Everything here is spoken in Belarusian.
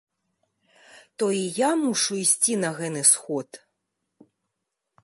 То і я мушу ісці на гэны сход?